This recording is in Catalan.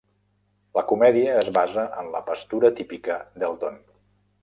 La comèdia es basa en la pastura típica d'Elton.